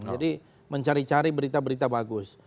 jadi mencari cari berita berita bagus